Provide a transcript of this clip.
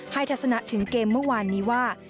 ทัศนะถึงเกมเมื่อวานนี้ว่า